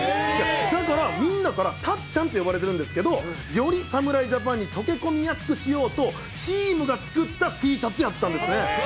だから、みんなからたっちゃんって呼ばれてるんですけど、より侍ジャパンに溶け込みやすくしようと、チームが作ったＴシャ詳しい。